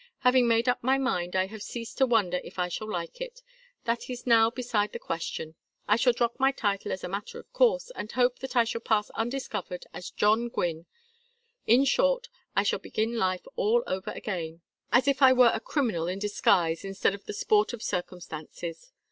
Having made up my mind, I have ceased to wonder if I shall like it. That is now beside the question. I shall drop my title as a matter of course, and hope that I shall pass undiscovered as John Gwynne. In short, I shall begin life all over again as if I were a criminal in disguise instead of the sport of circumstances.